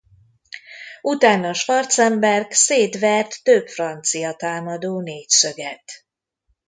Utána Schwarzenberg szétvert több francia támadó négyszöget.